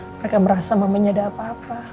mereka merasa mau menyedah apa apa